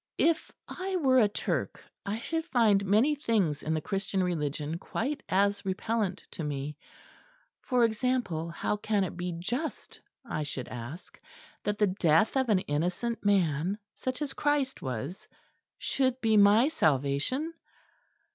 If I were a Turk I should find many things in the Christian religion quite as repellent to me; for example, how can it be just, I should ask, that the death of an innocent man, such as Christ was, should be my salvation?